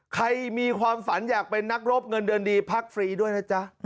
มีความฝันอยากเป็นนักรบเงินเดือนดีพักฟรีด้วยนะจ๊ะ